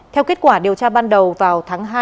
theo kết quả điều tra ban đầu vào tháng hai